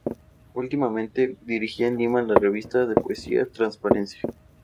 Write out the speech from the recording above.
Últimamente dirigía en Lima la revista de poesía "Transparencia".